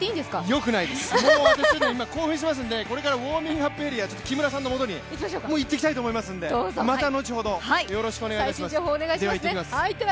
よくないです、私も興奮していますので、ウォーミングアップエリア木村さんのもとに行ってきたいと思いますので、また後ほどよろしくお願いしますでは行ってきます。